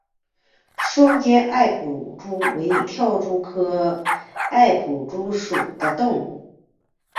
双尖艾普蛛为跳蛛科艾普蛛属的动物。